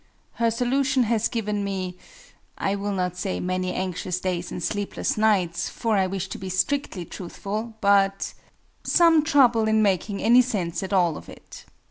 Her solution has given me I will not say "many anxious days and sleepless nights," for I wish to be strictly truthful, but some trouble in making any sense at all of it.